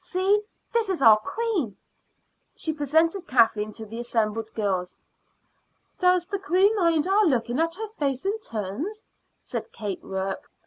See, this is our queen," and she presented Kathleen to the assembled girls. "Does the queen mind our looking at her face in turns?" said Kate Rourke.